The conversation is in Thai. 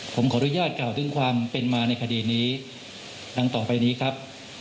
ผมขออนุญาตกล่าวถึงความเป็นมาในคดีนี้ดังต่อไปนี้ครับ